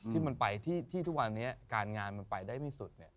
ที่ทุกวันนี้การงานไปได้ไม่สุด